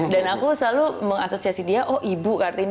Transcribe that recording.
dan aku selalu mengasosiasi dia oh ibu kartini